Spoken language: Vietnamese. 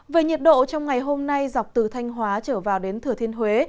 về nhiệt độ trong ngày hôm nay dọc từ thanh hóa trở vào đến thừa thiên huế